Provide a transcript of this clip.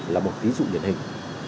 là một ví dụ điển hình